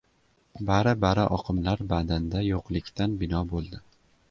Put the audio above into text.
Bari-bari oqimlar badanda yo‘qlikdan bino bo‘ldi!